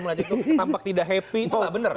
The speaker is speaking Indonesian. melihatnya itu nampak tidak happy itu tak benar